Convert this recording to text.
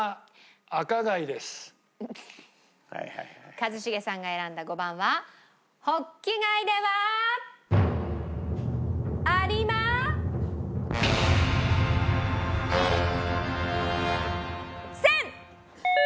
一茂さんが選んだ５番はホッキ貝ではありません！